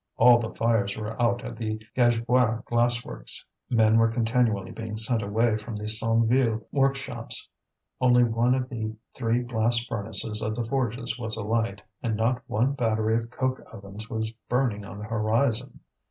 All the fires were out at the Gagebois glass works, men were continually being sent away from the Sonneville workshops, only one of the three blast furnaces of the Forges was alight, and not one battery of coke ovens was burning on the horizon.